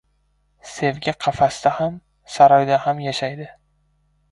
• Sevgi qafasda ham, saroyda ham yashaydi.